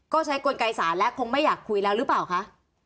ก็ใช้กลไกศาลและคงไม่อยากคุยแล้วหรือเปล่าคะ